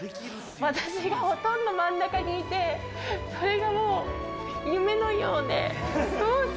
私がほとんど真ん中にいて、それがもう、夢のようで。